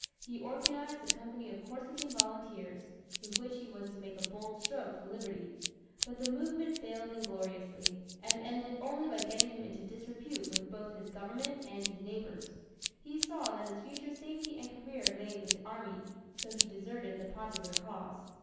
He organized a company of Corsican Volunteers, with which he was to make a bold stroke for liberty. But the movement failed ingloriously, and ended only by getting him into disrepute with both his Government and his neighbors. He saw that his future safety and career lay with the army, so he deserted the popular cause.